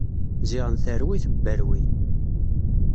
Ziɣen terwi, tebberwi!